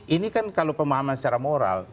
ini kan kalau pemahaman secara moral